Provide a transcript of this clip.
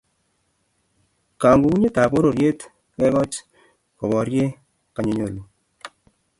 Kangungunyetab pororiet kekoch koborie kouyenyolu